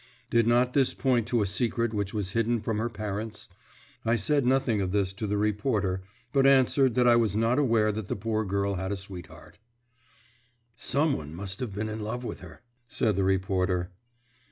Did not this point to a secret which was hidden from her parents? I said nothing of this to the reporter, but answered that I was not aware that the poor girl had a sweetheart. "Some one must have been in love with her," said the reporter.